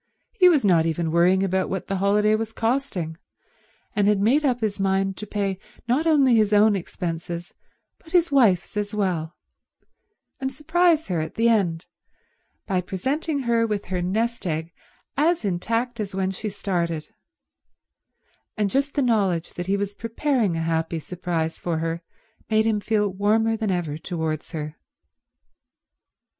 He was not even worrying about what the holiday was costing, and had made up his mind to pay not only his own expenses but his wife's as well, and surprise her at the end by presenting her with her nest egg as intact as when she started; and just the knowledge that he was preparing a happy surprise for her made him feel warmer than ever towards her.